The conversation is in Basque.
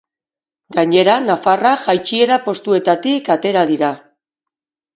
Gainera, nafarrak, jaitsiera postuetatik atera dira.